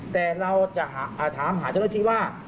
แต่เราจะถามหาเจ้าหน้าที่ว่า